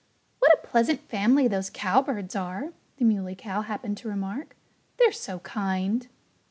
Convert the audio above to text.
"What a pleasant family those cowbirds are!" the Muley Cow happened to remark. "They're so kind!"